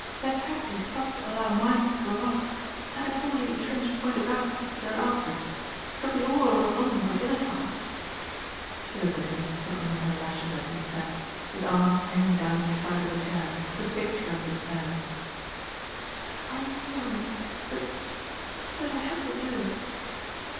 "Their taxi stopped to allow mine to draw up, and I saw i ady Tnnge point us out to Sir Alfred. It'll be all over London by dinner time." She looked at hi^ from under her iashes as he sat, his arms hanging doj^ each side of the chair, the picture of desp ?r^ Im sorry; but but I had to do it.